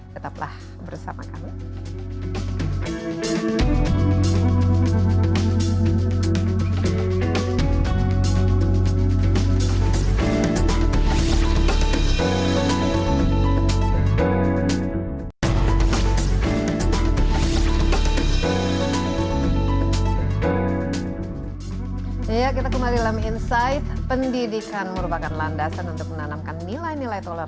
tetaplah bersama kami